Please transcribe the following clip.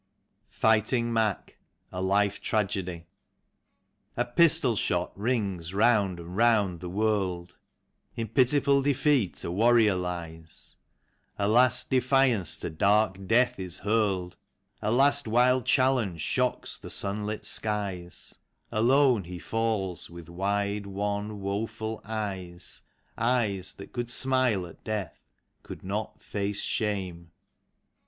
66 "FIGHTING MAC." A Life Tragedy. A PISTOL shot rings round and round the world : In pitiful defeat a warrior lies. A last defiance to dark Death is hurled, A last wild challenge shocks the sunlit skies. Alone he falls with wide, wan, woeful eyes: Eyes that could smile at death — could not face shame.